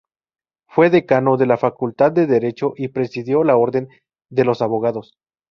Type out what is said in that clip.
Fue Decano de la Facultad de Derecho y presidió la Orden de los abogados.